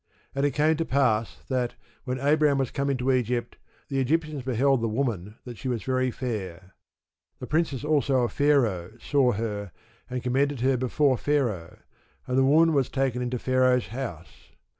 And it came to pass, that, when Abram was come into Egypt the Egyptians beheld the woman that she was very fair. The princes also of Pharaoh saw her, and commended her before Pharaoh: and the woman was taken into Pharaoh's house.